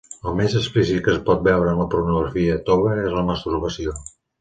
El més explícit que es pot veure en la pornografia tova és la masturbació.